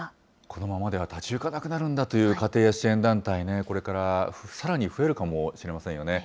このままでは立ち行かなくなるんだという家庭や支援団体ね、これからさらに増えるかもしれませんよね。